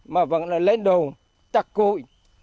mà vẫn là lên đồ chắc cùi